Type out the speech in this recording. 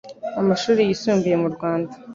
amashuri yisumbuye mu Rwanda.